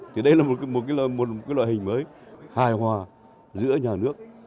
thì đây là một loại hình mới hài hòa giữa nhà nước